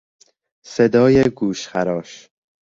صدای گوشخراش